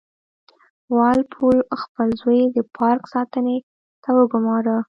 وال پول خپل زوی د پارک ساتنې ته وګوماره.